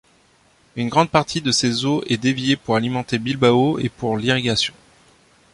Une grande partie de ses eaux est déviée pour alimenter Bilbao et pour l'irrigation.